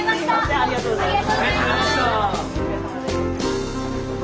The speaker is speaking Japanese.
ありがとうございます。